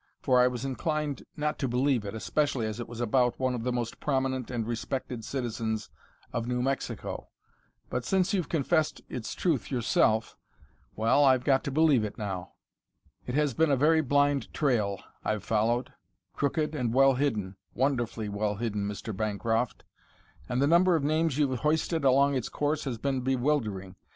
For I was inclined not to believe it, especially as it was about one of the most prominent and respected citizens of New Mexico. But since you've confessed its truth yourself well, I've got to believe it now. It has been a very blind trail I've followed, crooked and well hidden wonderfully well hidden, Mr. Bancroft and the number of names you've hoisted along its course has been bewildering.